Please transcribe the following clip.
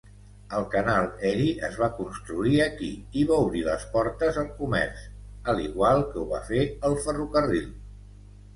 El canal Erie es va construir aquí i va obrir les portes al comerç, al igual que ho va fer el ferrocarril.